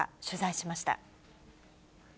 取材しました。